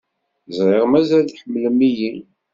Ẓriɣ mazal tḥemmlem-iyi.